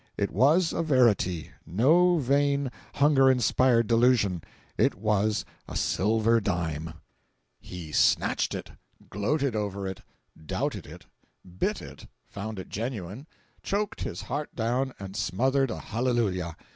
It was a verity—no vain, hunger inspired delusion—it was a silver dime! 431.jpg (31K) He snatched it—gloated over it; doubted it—bit it—found it genuine—choked his heart down, and smothered a halleluiah.